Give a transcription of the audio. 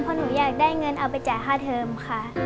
เพราะหนูอยากได้เงินเอาไปจ่ายค่าเทิมค่ะ